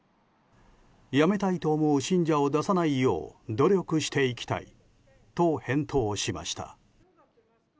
辞めたいと思う信者を出さないよう努力していきたいと返答しました。